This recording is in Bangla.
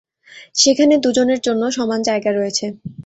সেখানে দুজনের জন্য সমান যায়গা রয়েছে।